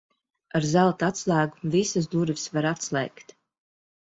Ar zelta atslēgu visas durvis var atslēgt.